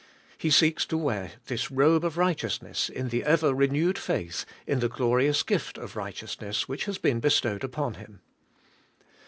He seeks to wear this robe of righteousness in the ever renewed faith in the glorious gift of righteousness which has been bestowed upon him.